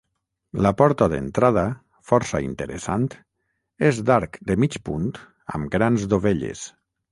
La porta d'entrada, força interessant, és d'arc de mig punt amb grans dovelles.